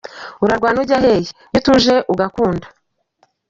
Urarwana ujya hehe? iyo utuje ugakunda.